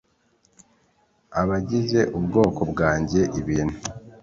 Abagize ubwoko bwanjye ibintu